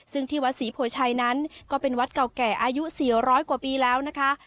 ซึ่งที่วัดศรีโพชัยนั้นก็เป็นวัดเก่าแก่อายุ๔๐๐กว่าปีแล้วนะคะ